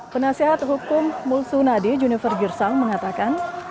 penasihat hukum mulsunadi juniper girsang mengatakan